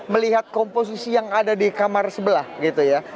melihat komposisi yang ada di kamar sebelah gitu ya